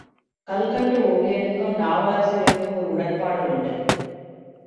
கல்கண்டு ஓவியனுக்கும், நாவலாசிரியனுக்கும் ஓர் உடன்பாடு உண்டு.